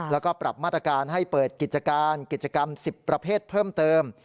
แล้วก็ปรับมาตรการให้เปิดกิจการกิจกรรม๑๐ประเภทเพิ่มเติม